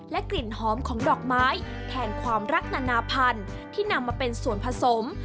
กลิ่นหอมของดอกไม้แทนความรักนานาพันธุ์ที่นำมาเป็นส่วนผสม